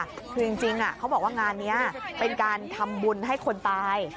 คือจริงเขาบอกว่างานนี้เป็นการทำบุญให้คนตาย